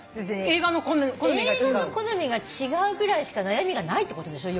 映画の好みが違うぐらいしか悩みがないってことでしょ？